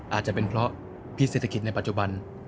อาจจะเป็นเพราะพิษเศรษฐกิจในปัจจุบัน